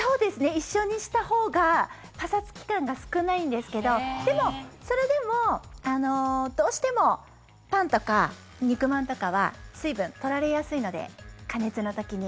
一緒にしたほうがパサつき感が少ないんですけどでも、それでもどうしてもパンとか肉まんとかは水分取られやすいので加熱の時に。